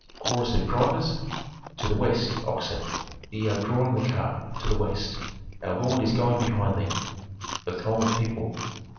Chorus of drivers. "To the West, oxen, ye are drawing the car, to the West! Our lord is going behind thee." _The throng of people.